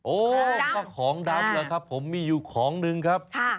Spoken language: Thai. โอ้ก็ของดำแหละครับผมมีอยู่ของนึงครับ